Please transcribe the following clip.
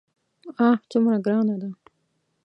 آه څومره ګرانه ده.